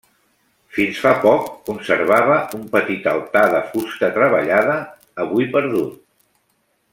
Fins fa poc conservava un petit altar de fusta treballada, avui perdut.